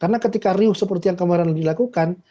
karena ketika riuh seperti yang kemarin dilakukan